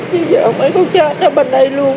chứ giờ mấy con chết ở bên đây luôn